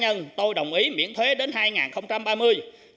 trương trọng nghĩa châu la ngôi chính trị tại đức